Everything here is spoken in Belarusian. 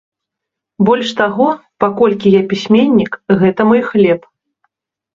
Больш таго, паколькі я пісьменнік, гэта мой хлеб.